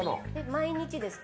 毎日ですか？